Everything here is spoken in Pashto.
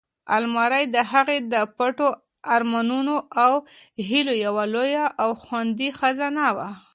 المارۍ د هغې د پټو ارمانونو او هیلو یوه لویه او خوندي خزانه وه.